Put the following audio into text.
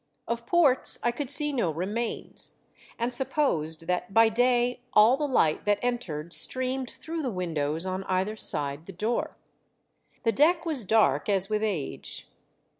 Of ports I could see no remains, and supposed that by day all the light that entered streamed through the windows on either side the door. The deck was dark as with age.